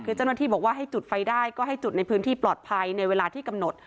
คือเจ้าหน้าที่บอกว่าให้จุดไฟได้ก็ให้จุดในพื้นที่ปลอดภัยในเวลาที่กำหนด